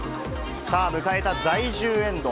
さあ、迎えた第１０エンド。